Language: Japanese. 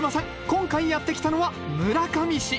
今回やって来たのは村上市。